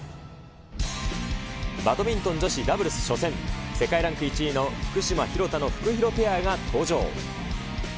バドミントン女子ダブルス初戦、世界ランキング１位の福島・廣田のフクヒロペアが登場。